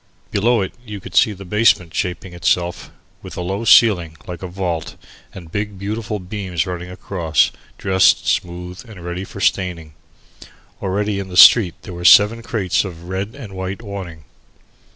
Below it, you could see the basement shaping itself, with a low ceiling like a vault and big beams running across, dressed, smoothed, and ready for staining. Already in the street there were seven crates of red and white awning.